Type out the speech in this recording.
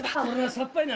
さっぱりで。